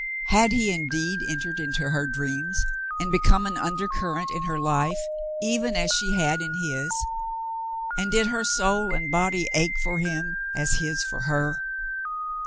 Had he indeed entered into her dreams and become an undercurrent in her life even as she had in his, and did her soul and body ache for him as his for her